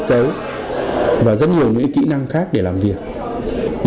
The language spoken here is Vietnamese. những kiến thức về vật liệu về kết cấu và rất nhiều những kỹ năng khác để làm việc